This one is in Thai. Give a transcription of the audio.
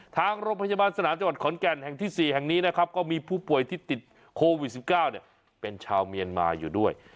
ทางโรงพยาบาลสนามจังหวัดขอนแก่นแห่งที่๔แห่งนี้นะครับก็มีผู้ป่วยที่ติดโควิด๑๙เป็นชาวเมียนมาอยู่ด้วย